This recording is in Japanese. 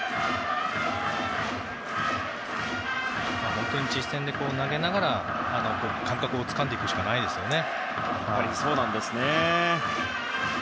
本当に実戦で投げながら感覚をつかんでいくしかないですね。